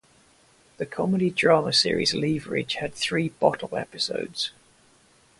The comedy-drama series "Leverage" had three bottle episodes.